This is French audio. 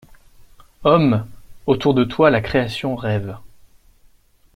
Homme! autour de toi la création rêve.